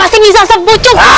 kau pasti bisa sepucuk